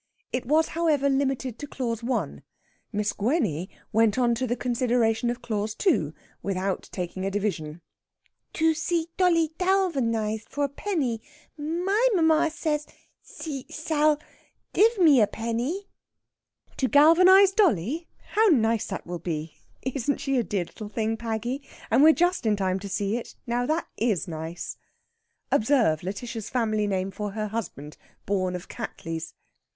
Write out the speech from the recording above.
It was, however, limited to Clause 1. Miss Gwenny went on to the consideration of Clause 2 without taking a division. "To see dolly danvalised for a penny. My mummar says see sall div me a penny...." "To galvanise dolly? How nice that will be! Isn't she a dear little thing, Paggy? And we're just in time to see it. Now, that is nice!" Observe Lætitia's family name for her husband, born of Cattley's.